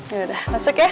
yaudah masuk ya